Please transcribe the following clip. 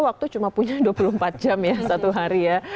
waktu cuma punya dua puluh empat jam ya satu hari ya